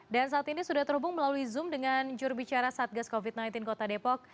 dan saat ini sudah terhubung melalui zoom dengan jurubicara satgas covid sembilan belas kota depok